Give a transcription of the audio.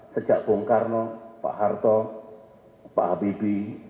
sejak bung karno pak harto pak habibie